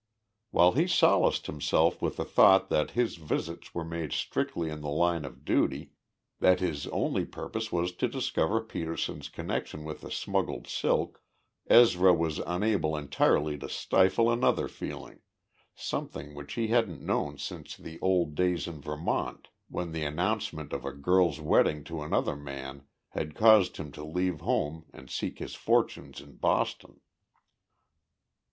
While he solaced himself with the thought that his visits were made strictly in the line of duty, that his only purpose was to discover Petersen's connection with the smuggled silk, Ezra was unable entirely to stifle another feeling something which he hadn't known since the old days in Vermont, when the announcement of a girl's wedding to another man had caused him to leave home and seek his fortunes in Boston.